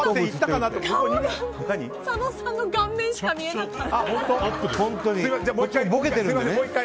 佐野さんの顔面しか見えなかった。